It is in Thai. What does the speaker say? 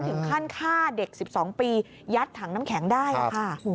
ถึงขั้นฆ่าเด็ก๑๒ปียัดถังน้ำแข็งได้ค่ะ